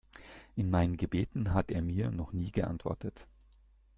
In meinen Gebeten hat er mir noch nie geantwortet.